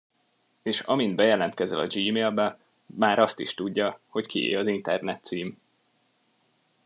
És amint bejelentkezel a Gmailbe, már azt is tudja, hogy kié az internetcím.